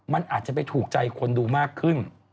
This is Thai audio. มันอาจจะไปถูกใจคนดูมากขึ้น